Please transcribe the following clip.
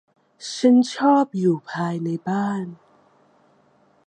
ฉันชอบอยู่ภายในบ้าน